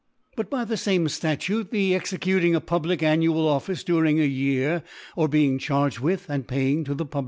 But by the feme Statute, the executing a pubHc annual Office during a Year, or be ing charged with, and paying to the pub